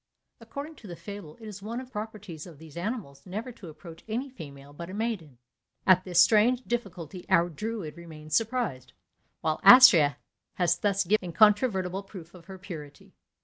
According to fable, it is one of the properties of these animals never to approach any female but a maiden: at this strange difficulty our druid remains surprised; while Astrea has thus given an incontrovertible proof of her purity.